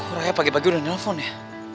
kok raya pagi pagi udah nelfon ya